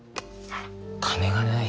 金がない。